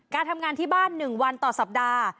การทำงานที่บ้าน๑วันต่อสัปดาห์